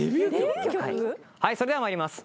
それではまいります